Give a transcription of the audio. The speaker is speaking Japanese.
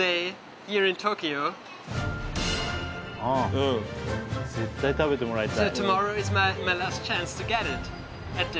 うん絶対食べてもらいたい。